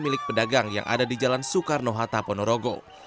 milik pedagang yang ada di jalan soekarno hatta ponorogo